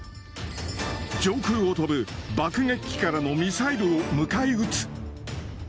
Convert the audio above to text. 上空を飛ぶ爆撃機からのミサイルを迎え撃つ。